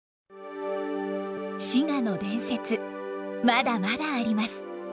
滋賀の伝説まだまだあります。